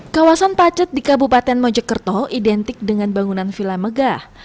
kawasan pacet di kabupaten mojokerto identik dengan bangunan villa megah